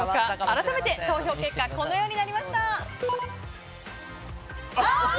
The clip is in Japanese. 改めて、投票結果このようになりました。